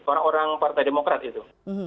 orang orang partai demokrat itu